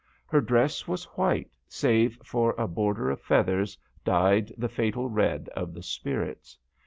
Her dress was white, save for a border of DHOYA. 183 feathers dyed the fatal red of the spirits.